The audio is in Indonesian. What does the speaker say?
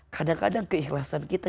kadang kadang keikhlasan kita